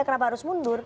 kenapa harus mundur